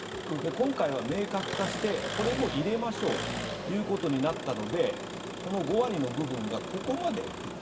今回は明確化してこれも入れましょうということになったのでこの５割の部分がここまで来る。